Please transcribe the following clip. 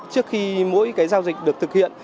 trước khi mỗi giao dịch được thực hiện